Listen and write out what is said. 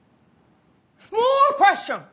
モアパッション！